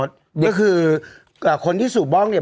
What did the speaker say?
ก็คือคนที่สูบบ้องเนี่ย